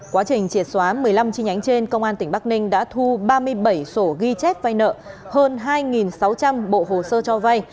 quá trình triệt xóa một mươi năm chi nhánh trên công an tỉnh bắc ninh đã thu ba mươi bảy sổ ghi chép vay nợ hơn hai sáu trăm linh bộ hồ sơ cho vay